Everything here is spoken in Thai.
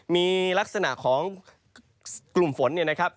มีลักษณะของกลุ่มฝน